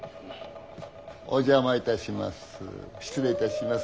お邪魔いたします。